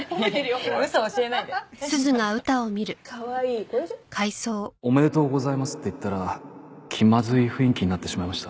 これでしょ？おめでとうございますって言ったら気まずい雰囲気になってしまいました。